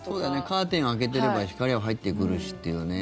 カーテンを開けてれば光は入ってくるしというね。